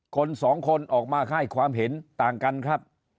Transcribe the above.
คนสองคนออกมาให้ความเห็นต่างกันครับ